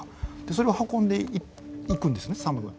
それを運んで行くんですねサムが。